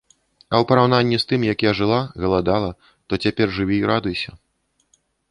А ў параўнанні з тым, як я жыла, галадала, то цяпер жыві і радуйся.